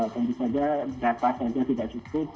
tentu saja data saja tidak cukup